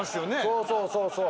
そうそうそうそう。